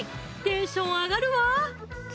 テンション上がるわ！